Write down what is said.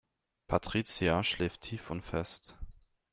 Patricia schläft tief und fest.